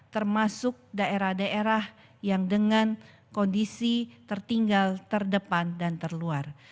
termasuk daerah daerah yang dengan kondisi tertinggal terdepan dan terluar